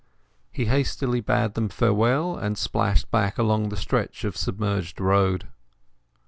He hastily bade them farewell, and splashed back along the stretch of submerged road.